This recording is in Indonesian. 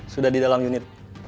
sudah di dalam unit